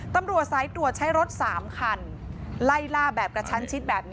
ตำรวจสายตรวจใช้รถ๓คันไล่ล่าแบบกระชั้นชิดแบบนี้